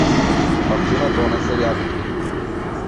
Мартина донесе јаготки.